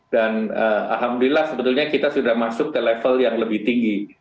dan alhamdulillah sebetulnya kita sudah masuk ke level yang lebih tinggi